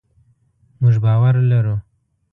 مونږ باور لرو